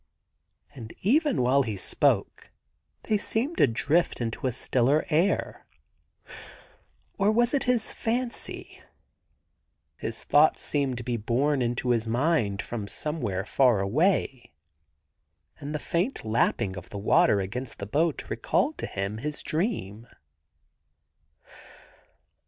And even while he spoke they seemed to drift into a stiller air— or was it his fancy ? His thoughts seemed 75 THE GARDEN GOD to be borne into his mind from somewhere fieu* away, and the faint lapping of the water against the boat recalled to him his dream.